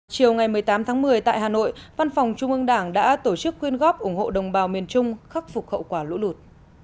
chiều ngày một mươi tám tháng một mươi tại hà nội văn phòng trung ương đảng đã tổ chức quyên góp ủng hộ đồng bào miền trung khắc phục hậu quả lũ lụt